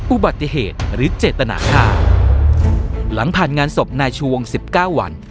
อุบัติเหตุหรือเจตนาค่าหลังผ่านงานศพนายชวงสิบเก้าวัน